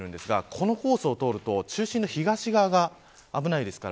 このコースだと中心の東側が危ないです。